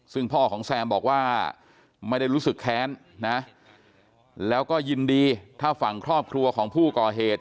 ซึ่งพ่อของแซมบอกว่าไม่ได้รู้สึกแค้นนะแล้วก็ยินดีถ้าฝั่งครอบครัวของผู้ก่อเหตุ